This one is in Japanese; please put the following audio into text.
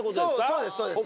そうですそうです。